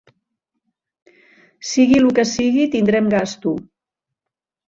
Sigui lo que sigui, tindrem gasto.